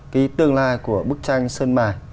cái tương lai của bức tranh sơn mài